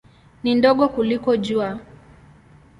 Ni ndogo kuliko Jua.